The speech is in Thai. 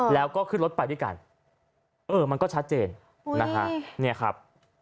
แล้วก็ขึ้นรถไปด้วยกันเออมันก็ชัดเจนนะฮะเนี่ยครับ